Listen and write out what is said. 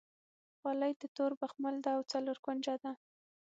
خولۍ د تور بخمل ده او څلور کونجه ده.